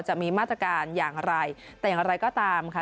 จะมีมาตรการอย่างไรแต่อย่างไรก็ตามค่ะ